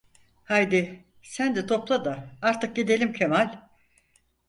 Haydi, sen de topla da, artık gidelim Kemal!